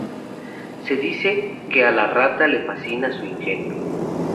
Se dice que a la Rata le fascina su ingenio.